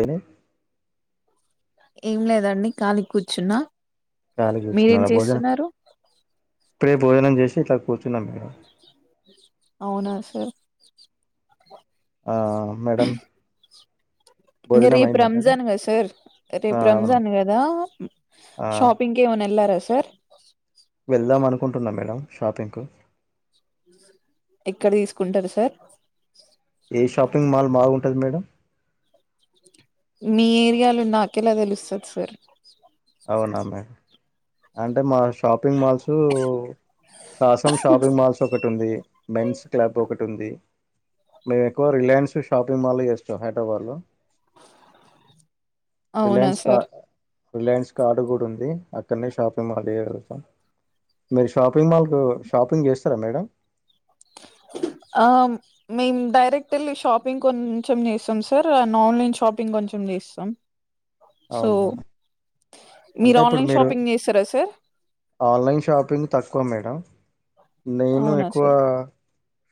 ఎమి ఏం లేదండి కాలిగ్ కూర్చున్నా కాలిగ్ కూర్చున్నా మీరేం భోజనం చేస్తున్నారు ఇప్పుడే భోజనం చేసి ఇట్లా పోతునం మేడం అవునా సార్ ఆ ఆ మేడంమ్ ఇంకా రేపు రంజాన్ కదా సార్ ఆ రేపు అవునా రంజాన్ కదా ఆ షాపింగ్ కమన్ వెళ్ళారా సార్ వెళ్దాం అనుకుంటున్నా మేడం షాపింగ్కు ఎక్కడ తీసుకుంటారు సార్ ఏ షాపింగ్ మాల్ బాగుంటుంది మేడం మీ ఏరియాలో నాకెలా తెలుస్తుంది సార్ అవునామ్మా అంటే మా షాపింగ్ మాల్స్ కాసం షాపింగ్ మాల్స్ ఒకటి ఉంది మెన్స్ క్లబ్ ఒకటి ఉంది మేము ఎక్కువ రిలయన్స్ షాపింగ్ మాల్ చేస్తాం హైదరాబాద్ లో అవునా రిలాన్స్ కా సార్ రిలయన్స్ కార్డు కూడా ఉంది అక్కడనే షాపింగ్ మాల్ వేయగలుగుతాం మీరు షాపింగ్ మాల్కు షాపింగ్ చేస్తారా మేడం ఆ మేము డైరెక్ట్ వెళ్ళి షాపింగ్ కొంచెం చేస్తాం సార్ అండ్ ఆన్లైన్ షాపింగ్ కొంచెం చేస్తాం సో అవును అంటే ఇప్పుడు ఆన్లైన్ మీరు షాపింగ్ చేస్తారా సార్ ఆన్లైన్ షాపింగ్ తక్కువ మేడం నేను అవునా ఎక్కువా సార్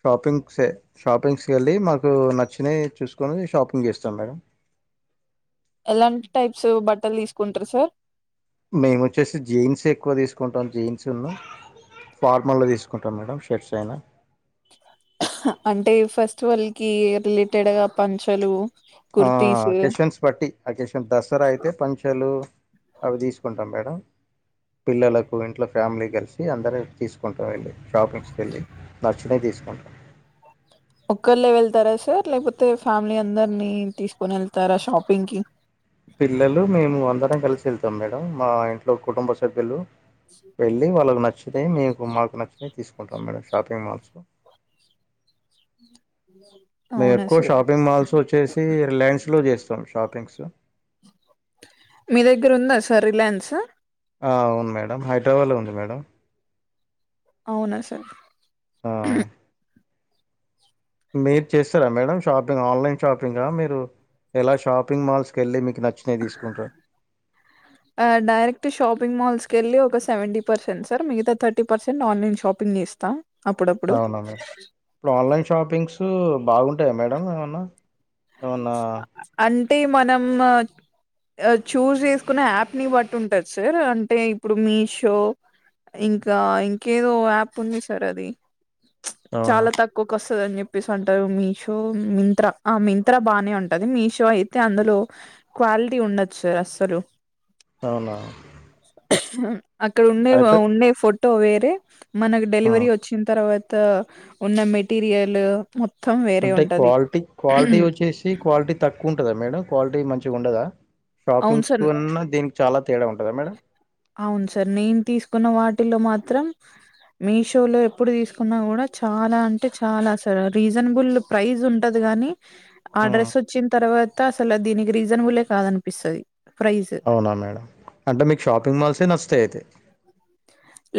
షాపింగ్స్ షాపింగ్స్కి వెళ్ళి మాకు నచ్చినవి చూసుకొని షాపింగ్ చేస్తాం మేడం ఎలాంటి టైప్స్ బట్టలు తీసుకుంటారు సార్ మేము వచ్చేసి జీన్స్ ఎక్కువ తీసుకుంటాం జీన్స్లు ఫార్మల్ల్లో తీసుకుంటాం మేడం షర్ట్స్ అయినా అంటే ఫెస్టివల్కి రిలేటెడ్గా పంచలు ఆ కుర్తీస్ కిషన్స్ పట్టి ఆ కిషన్ దసరా అయితే పంచలు అవి తీసుకుంటాం మేడం పిల్లలకు ఇంట్లో ఫ్యామిలీ కలిసి అందర తీసుకుంటాం వెళ్ళి షాపింగ్స్ కెళ్ళి నచ్చిన తీసుకుంటాం ఒక్కళ్ళె వెళ్తరా సర్ లేకపోతే ఫ్యామిలీ అందరినీ తీసుకని వెళ్తరా షాపింగ్ కి పిల్లలు మేము అందరం కలిసి వెళ్తాం మేడం మా ఇంట్లో కుటుంబ సభ్యులు వెళ్ళి వాల్లక్ నచ్ నచ్చితే మీకు మాకు నచ్చినవి తీసుకుంటాం మేడం షాపింగ్ మాల్స్లో మేమ్ అవునా ఎక్కువ సార్ షాపింగ్ మాల్స్ వచ్చేసి రిలయ్న్స్ లో చేస్తాం స్తాం షాపింగ్స్ మీ దగ్గరుందా సార్ రిలయన్స్ అ అవును మేడం హైద్రాబాద్లో ఉంది మేడం అవున సర్ ఆ [inaudible] మీరు చేస్తరా మేడం షాపింగ్ ఆన్లైన్ షాపింగ మీరు ఐలా షాపింగ్ మాల్స్కి వెళ్ళి మీకు నచ్చ డైరెక్ట్ షాపింగ్ మాల్స్ కెళ్ళి ఒక సెవెన్టిపర్సెంట్ సర్ మిగత థర్టీ పర్సెంట్ ఆన్లైన్ షాపింగ్ చేస్తాం అవునుమి ఇప్పుడు ఆన్లైన్ షాపింగ్స్ బాగుంటాయ మేడం ఏమన్నా అవునా అంటే మనం చూజ్ చేసుకున్న యాప్ ని బట్టి ఉంటది సార్ అంటే ఇప్పుడు మీషో ఇంకా ఇంకేదో యాప్ ఉంది సార్ అది అవునా చాల అవునా తక్కువకు వస్తుందని స్ అంటారు మీషో మింత్ర ఆ మిం త్ర బానే ఉంటది మీషో అయితే అందులో క్వాలిటీ ఉండొచ్చు అస్సలు అవునా హుమ్ అక్కడ ఉండే అయితే ఉండే ఫోట్ ట్టో వేరె మనకు ఆ డెలివరీ వచ్చిన తర్వాత్ త ఉన్న మెటీరియల్ మొ అంటే క్వాల్టీ క్వాల్టి ఏసి క్వాలిటి తక్కువుంటదా మేడం క్వాలిటీ మంచిగుండదా అవును సర్ ఉంటదా మేడం అవును సర్ నేను తీసుకున్న వాట్ ఇటిల్లో మాత్రం మీషో లో ఎప్పుడు తీసుకున్నా కూడా చాలా అంటే చాలా అసలు రీజనబుల్ ప్రైస్ ఉంటది కాగాని ఆ ఉమ్ డ్రెస్ వచ్చిన తర్వాత అసలు దీనికి రీజనబులే కాదనుకుంట పిస్తది అవున మేడం అంటే మీకు షాపింగ్ మాల్సే నచ్చుతాయి అయితే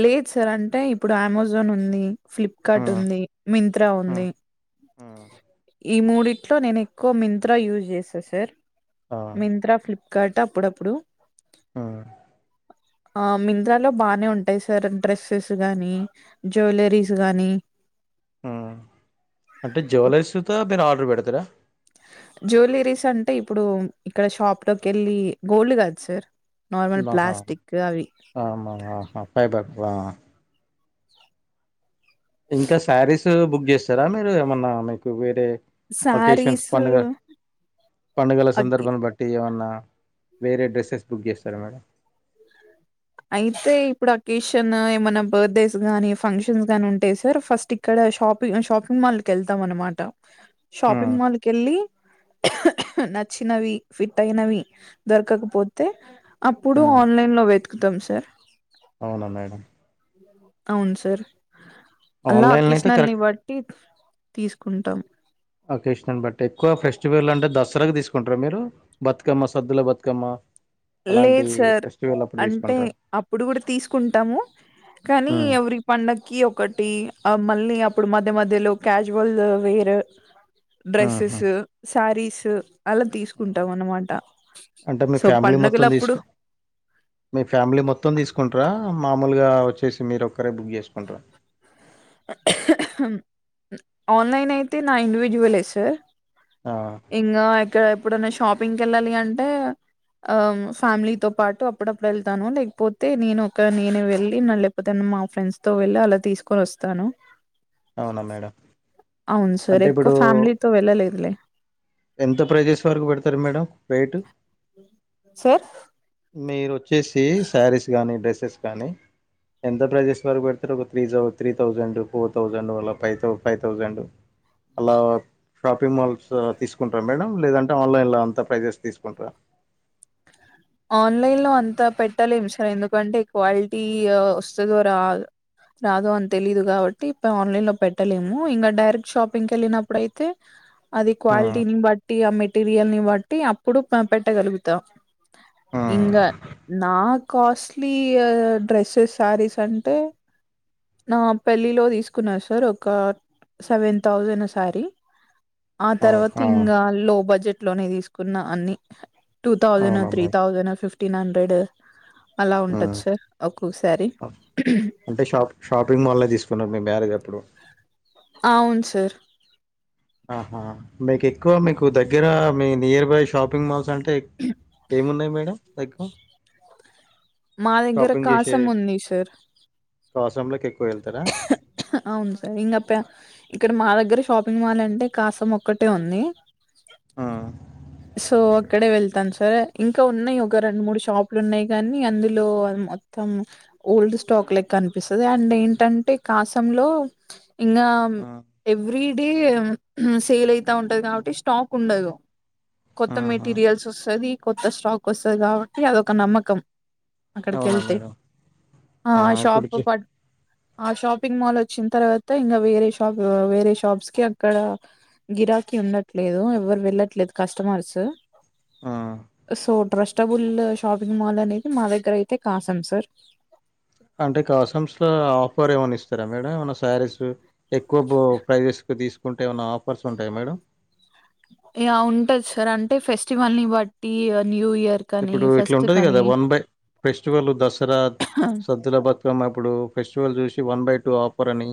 లేదు సార్ అంటే ఇప్పుడు అమెజాన్ ఉంది ఫ్లిప్కార్ట్ ఉమ్ ఉంది మింత్రా ఉమ్ ఉంది ఉమ్ ఈ మూడిట్లో నేను ఎక్కువ మింత్రా యూస్ చేస్తా సార్ ఆ మింత్రా ఫ్లిప్కార్ట్ అప్పుడప్పుడు ఉమ్ ఆ మింత్రా లో బానే ఉంటాయి సార్ డ్రెస్సెస్ కానీ జ్యువలరీస్ కానీ ఉమ్ అంటే జూలర్స్ తో మీరు ఆర్డర్ పెడతారా జ్యువెలరీస్ అంటే ఇప్పుడు ఇక్కడ షాప్ లోకి కెళ్ళి గోల్డ్ కాదు సార్ నార్మల్ నాహా ప్లాస్టిక్ అవి అవున [unintelligible] ఫైబర్ ఆ ఇంకా శారీస్ ఇవే బుక్ చేస్తారా మీరు ఏమన్నా మీకు వేరే ఒకేషన్స్ శారీస్ పండుగ పండుగల సందర్భాల బట్టి ఏమన్నా అ వేరే డ్రెస్సెస్ బుక్ చేస్తారా మేడం అయితే ఇప్పుడు అకేషన్ ఏమైనా బర్త్డేస్ గాని ఫంక్షన్స్ గాని ఉంటే సార్ ఫస్ట్ ఇక్కడ షాపి షాపింగ్ మాల్ కి వెళ్తాం అన్నా మాట ఉమ్ షాపింగ్ మాల్ కి వెళ్ళి నచ్చినవి ఫిట్ అయినవి దొరకకపోతే అప్పుడు ఉమ్ ఆన్లైన్ లో వెతు అవునా మేడం [inaudible] అవును సార్ అలా ఆన్లైన్లో అయితే అకేషనల్ నీ కరెక్ట్ బట్టి తీసు కుంటాం అకేషనల్ బట్టి ఎక్కువ ఫెస్టివల్ అంటే దసరాకి తీసుకుంటారా మీరు బతుకమ్మ సద్దుల బతుకమ్మ అలాంటి లేదు సార్ ఫెస్టివల్ అప్పుడు అంటే తీసుకుంటారా అప్పుడు కూడా తీసుకుంటాము కానీ ఉమ్ ఎవ్రీ పండకి ఒకటి అ మళ్ళీ అప్పుడు మధ్య మధ్యలో క్యాజువల్ వి వేరు డ్రెస్సెస్ ఉహు సు సారీ సు అలా తీసుకుంటాం అన్నమాట సొ మిలీ మొత్తం తీసు మీ ఫ్యామిలీ మొత్తం తీసుకుంట్రా మా మామూలుగా వచ్చేసి మీరు ఒక్కరే బుక్ చేసుకుంట్రూ ఆన్లైన్ అయితే నా ఇండివిజువలే సార్ ఆ ఇంగా ఇక్కడ ఎప్పుడన్న షాపింగ్కి వెళ్ళాలి అంటే ఆ ఫ్యామిలీతో పాటు అప్పుడప్పుడు వెళ్తాను లేకపోతే నేను ఒక నేను వెళ్ళి లేకపోతే మా ఫ్రెండ్స్ తో వెళ్ళి అలా తీసుకొని వస్తా. తను అవునా మేడం అవును సార్ అంటే ఎప్పుడు ఇప్పుడు ఫ్యామిలీతో వెళ్ళలే ఇదరా ఎంత ప్రైజెస్ వరకు పెడతారు మేడం రేటు సార్ మీరు వచ్చేసి శారీస్ కానీ డ్రెస్సెస్ కానీ ఎంత ప్రైజెస్ వరకు పెడితరు ఒక త్రీ థౌజండ్ ఫోర్ థౌజండ్ అలా ఫైవ్ ఫైవ్ థౌజండ్ అలా షాపింగ్ మాల్స్ తీసుకుంట్రా మేడం లేదంటే ఆన్లైన్లో అంత ప్రైజెస్ తీసుకుంట్రా ఆన్లైన్ లో అంతా పెట్టలేము సార్ ఎందుకంటే క్వాలిటీ వస్తదో రా రాదో అని తెలీదు కాబట్టి ఇ ఆన్లైన్ లో పెట్టలేము ఇంకా డైరెక్ట్ షాపింగ్కి వెళ్ళినప్పుడుయితే అది హ్మ్ క్వాలిటీని బట్టి ఆ మెటీరియల్ని బట్టి అప్పుడు మనం పెట్టగలుగుతాం. హ్మ్ ఇంగా నా కాస్ట్లీ డ్రెస్సెస్ శారీస్ అంటే నా పెళ్ళిలో తీసుకున్నారు సార్ ఒక సెవెన్ థౌజండ్ శారీ ఆ తర్వాత ఇంగ లో బడ్జెట్ లోనే తీసుకున్న అన్ని టూ థౌసండ్ అవునా three madam thousand fifteen hundred అలా ఉంటచ్చ హ్మ్. సార్ ఒక్కొ శారీ అంటే షాప్ షాపింగ్ మాల్ తీసుకున్నారు మీ మ్యారేజ్ ఎప్పుడు అవును సార్ ఆహా మీకు ఎక్కువ మీకు దగ్గర మీ నియర్ బై షాపింగ్ మాల్స్ అంటే ఏమున్నాయి మేడం ఎక్కువ మా దగ్గర కాసం ఉంది సార్ కాసం లోకి ఎక్కువ వెళ్తారా అవును సార్ ఇంకా ప ఇక్కడ మా దగ్గర షాపింగ్ మాల్ అంటే కాసం ఒక్కటే ఉంది ఆ సో అక్కడే వెళ్తాను సార్ ఇంకా ఉన్నాయి ఒక రెండు మూడు షాపులు ఉన్నాయి కానీ అందులో మొత్తం ఓల్డ్ స్టాక్ లె కనిపిస్తది అండ్ ఏంటంటే కాసం లో ఇంగ ఆ! ఎవ్రీ డే సేల్ అయితా ఉంటది కాబట్టి స్టాక్ ఉండదు కొత్త ఆహా! మెటీరియల్స్ వస్తది కొత్త స్టాక్ వస్తది కాబట్టి అదొక నమ్మకం అక్కడికి అవునా వెళ్తే మేడం ఆ ఇప్పుడు షాప్ చు ప ఆ షాపింగ్ మాల్ వచ్చిన తర్వాత ఇంకా వేరే షాప్ వేరే షాప్స్ కి అక్కడ గిరాకి ఉండట్లేదు ఎవరు వెళ్ళట్లేదు కస్టమర్స్ ఆ! సో డ్రస్ బుల్ షాపింగ్ మాల్ అనేది మా దగ్గర అయితే కాసాం సార్ అంటే కాసమ్స్‌లో సారీస్ ఎక్కువ ప్రైజెసు తీసుకుంటే ఏమన్న ఆఫర్స్ ఉంటాయా మేడం ఏ ఆ ఉంటది సార్ అంటే ఫెస్టివల్ని బట్టి న్యూ ఇయర్ కని ఇప్పుడు ఇట్లా ఫెస్ట్ ఉంటది కదా కని వన్ బై ఫెస్టివల్ దసరా సద్దులాబాద్ సో మ ఇప్పుడు ఫెస్టివల్ చూసి వన్ బై టూ ఆఫర్ అని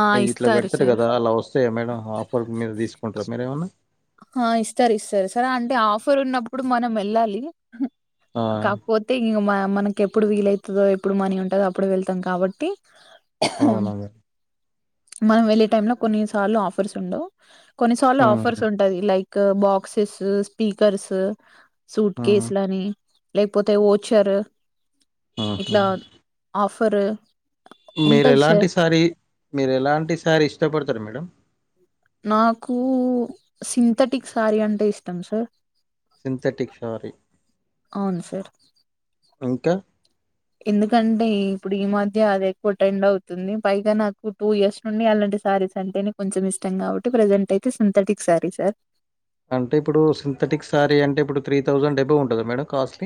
ఆ ఇట్లా ఇస్తారు పెడతాారు సార్ కదా అలా వస్తాయా మేడ ఆఫర్ మీరు తీసుకుంటారా మీరేమన్నా ఆ ఇస్తారు ఇస్తారు సర అంటే ఆఫర్ ఉన్నప్పుడు మనం వెళ్ళాలి ఆ! కాకపోతే ఇ మ మనకి ఎప్పుడు వీలవుతుందో ఎప్పుడు మనీ ఉంటందో అప్పుడు వెళ్తాం కాబట్టి అవునవును మనం వెళ్ళే టైమ్ లో కొన్ని సార్లు ఆఫర్స్ ఉండవు కొన్నిసార్లు ఆఫర్స్ హ్మ్. లక్ బాక్సెస్ స్పీకర్స్ సూట్ హ్మ్. కేసులాని లేకపోతే ఓచ్చారు. ఇట్లా ఆఫ్. తరు మీరేలంటి సారి మీరు ఎలాంటి సారి ఇష్టపడుతు సరే మేడం నాకు సింథెటిక్ శారీ అంటే ఇష్టం సార్ సింతెటిక్ సారి అవును సార్ ఇంకా ఎందుకంటే ఇప్పుడు ఈ మధ్య అది ఎక్కువ టెండ్ అవుతుంది పైగా నాకు టూ ఇయర్స్ నుండి అలాంటి శారీస్ అంటే నకు కొంచెం ఇష్టం కాబట్టి ప్రజెంట్ అయితే సింథటిక్ శారీ సార్ అంటే ఇప్పుడు సింథెటిక్ శారీ అంటే ఇప్పుడు త్రీ థౌజండ్ డెబ్బో ఉంటుందా మేడం కాస్ట్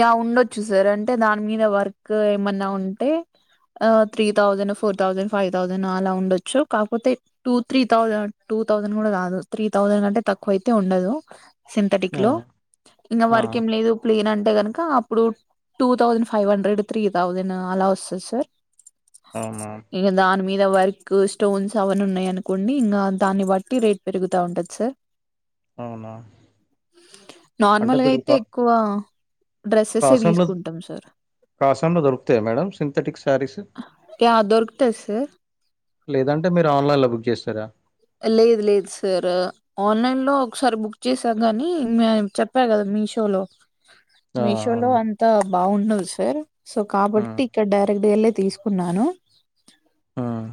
యా ఉండొచ్చు సార్ అంటే దాని మీద వర్క్ ఏమన్నా ఉంటే three thousand four thousand five thousand అలా ఉండొచ్చు కాకపోతే two three thousand two thousand కూడా కాదు త్రీ థౌసండ్ కంటే తక్కువ అయితే ఉండదు. సింథటిక్ ఆ లో ఇంకా ఆ వరకేం లేదు ప్లేన్ అంటే కనుక అప్పుడు two thousand five hundred three thousand అలా వస్తుంది సార్ అవునా ఇక దాని మీద వర్క్ స్టోన్స్ అవన్నీ ఉన్నాయి అనుకోండి ఇంకా దాన్ని బట్టి రేట్ పెరుగుతా ఉంటది సార్ అవునా అంటే నార్మల్గా ఇప్పుడు అయితే కా ఎక్కువ డ్రెస్సెసే కాసంలో తీసుకుంటాం సార్ కాసంలో దొరుకుతాయా మేడం సింథెటిక్ శారీస్ యా దొరుకుతది సార్ లేదంటే మీరు ఆన్లైన్ లో బుక్ చేస్తారా లేదు లేదు సార్, ఆన్లైన్ లో ఒకసారి బుక్ చేసా కాని మ చెప్పా కదా మీషో లో ఆ మీషో లో అవును అంతా బాగుండదు సార్ సో కాబట్టి మ్మ్ ఇక్కడ డైరెక్ట్ వెళ్ళే తీసుకున్నాను మ్మ్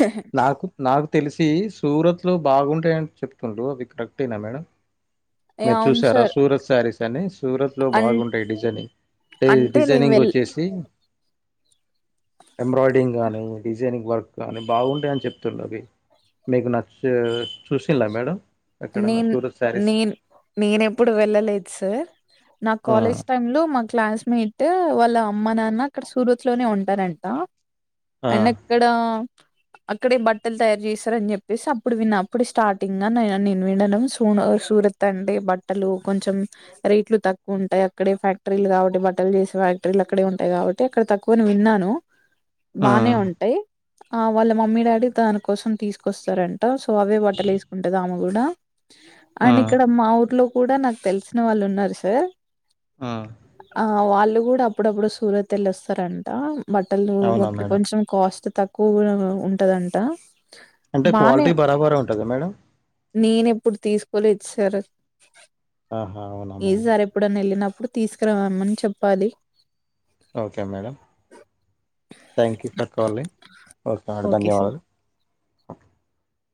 యాహ్! నాకు న తెలిసి సూరత్ లో బాగుంటాయని చెప్తుండ్రు అవి కరెక్టేనా మేడం మీరు అవును చూసారా సార్ సూరత్ సారిస్ కనీ సూరత్ లో అం బాగుంటాయి డిజైనింగ్ అంటే నేను డిజైనింగ్ వెళ్ వచ్చేసి ఎంబ్రాయిడరింగ్ గానీ, డిజైనింగ్ వర్క్ కాని, బాగుంటాయి అని చెపుతున్నది మీకు నచ్చ చూసింలా మేడం. ఎక్కడన్నా నేన్ సూరత్ శారీస్ నేను నేన ఎప్పుడు వెళ్ళలేదు సార్ నా ఆ కాలేజ్ టైమ్ లో మా క్లాస్మేట్ వాళ్ళ అమ్మ నాన్న అక్కడ సూరత్ లోనే ఉంటారంట ఆ అన్న ఎక్కడ అక్కడే బట్టలు తయారు చేస్తారని చెప్పేసి అప్పుడు విన్న అప్పుడు స్టార్టింగ్ అన్ నే నేను వినడం సూ సూరత్ అంటే బట్టలు కొంచెం రేట్లు తక్కువ ఉంటాయి, అక్కడే ఫ్యాక్టరీలు కాబట్టి బట్టలు చేసే ఫ్యాక్టరీలు అక్కడే ఉంటాయి కాబట్టి, అక్కడ తక్కువ అని విన్నాను. ఆ బానే ఉంటయ్ ఆ వాళ్ళ మమ్మీ డాడీ దాని కోసం తీసుకొస్తారం ట సో అవే బట్టలు వసుకుంటదా ఆమో కూడా ఆ అయినా ఇక్కడ మా ఊర్లో కూడా నాకు తెలిసిన వాళ్ళు ఉన్నారు సార్ ఆ ఆ వాళ్ళు కూడా అప్పుడప్పుడు సూరత్ వెల్ళ వస్తారంటాం బట్టలు అవునా బట్టి మేడం కొంచెం కాస్ట్ తక్కువ కూడ ఉంటదంటా అంటే క్వాలిటీ బరాబర ఉంటదా మేడం నేను ఎప్పుడు తీసుకోలేదు సార్ ఆహా అవునా మేడం ఈసారి ఎప్పుడన్నా వెళ్ళినప్ ప్పుడు తీసుకురావమని చెప్పాలి okay madam thank you for calling okay madam ధన్యవాదులు